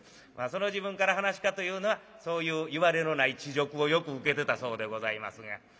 その時分から噺家というのはそういういわれのない恥辱をよく受けてたそうでございますが。